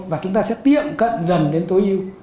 và chúng ta sẽ tiệm cận dần đến tối ưu